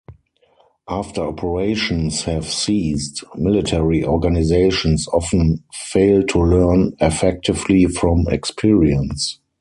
After operations have ceased, military organisations often fail to learn effectively from experience.